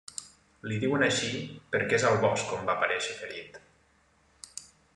Li diuen així, perquè és al bosc on va aparèixer ferit.